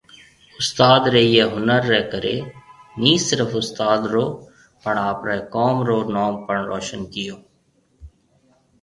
استاد ري ايئي ھنر ري ڪري ني صرف استاد رو پڻ آپري قوم رو نون پڻ روشن ڪيئو